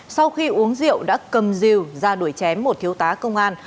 sau khi uống rượu đã cầm rìu ra đuổi chém một thiếu tá công an